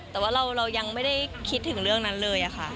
แต่ว่าเรายังไม่ได้คิดถึงเรื่องนั้นเลยค่ะ